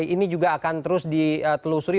ini juga akan terus ditelusuri